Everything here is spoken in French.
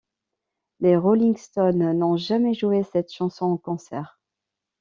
Les Rolling Stones n'ont jamais joué cette chanson en concert.